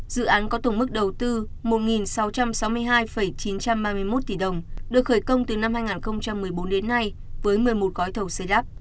dự án có tổng mức đầu tư một sáu trăm sáu mươi hai chín trăm ba mươi một tỷ đồng được khởi công từ năm hai nghìn một mươi bốn đến nay với một mươi một gói thầu xây lắp